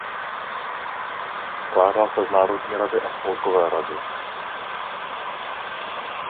Skládá se z Národní rady a Spolkové rady.